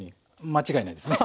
間違いないですね。